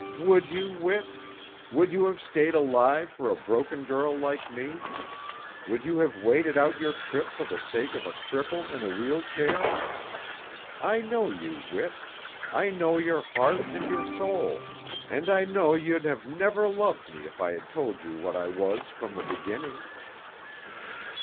"Would you, Whit? Would you have stayed alive for a broken girl like me? Would you have waited out your trip for the sake of a cripple in a wheel chair? I know you, Whit, I know your heart and your soul, and I know you'd have never loved me if I had told you what I was from the beginning."